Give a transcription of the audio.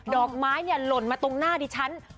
ดอกไม้เนี่ยหล่นมาตรงหน้าดิฉัน